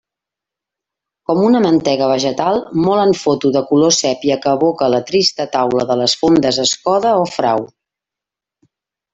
Com una mantega vegetal, molt en foto de color sépia que evoca la trista taula de les fondes Escoda o Frau.